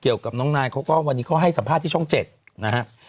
เกี่ยวกับน้องนายเขาก็วันนี้เขาให้สัมภาษณ์ที่ช่อง๗นะฮะ